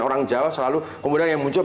orang jawa selalu kemudian yang muncul